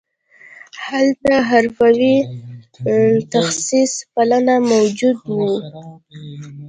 هلته حرفوي تخصص پالنه موجود وو